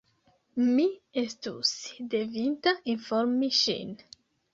Mi estus devinta informi ŝin.